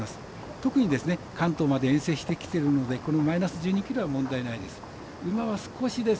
特に関東まで遠征してきているのでこのマイナス１２ｋｇは問題ないです。